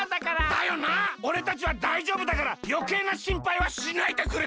だよなおれたちはだいじょうぶだからよけいなしんぱいはしないでくれたまえ。